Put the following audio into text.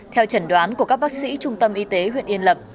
theo trần đoán của các bác sĩ trung tâm y tế huyện yên lập